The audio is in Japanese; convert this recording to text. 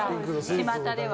ちまたでは。